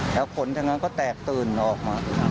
แล้วผลจนก็แตกตื่นออกมา